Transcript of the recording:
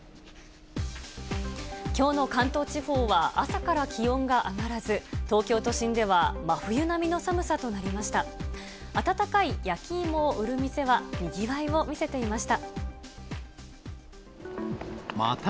きょうの関東地方は、朝から気温が上がらず、東京都心では真冬並みの寒さとなりました。